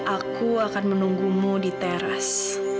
aku akan menunggumu di teras